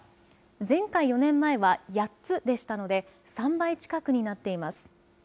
前回４年前は８つでしたので３倍近くになっています。